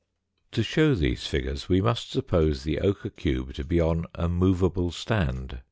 To show these figures we must suppose the ochre cube to be on a movable stand.